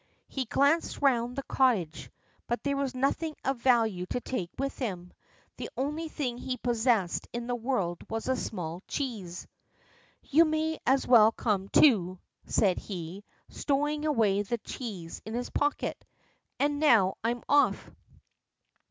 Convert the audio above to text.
He glanced round the cottage, but there was nothing of value to take with him. The only thing he possessed in the world was a small cheese. "You may as well come, too," said he, stowing away the cheese in his pocket, "and now I'm off."